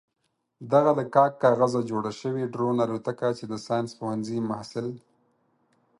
دغه له کاک کاغذه جوړه شوې ډرون الوتکه چې د ساينس پوهنځي محصل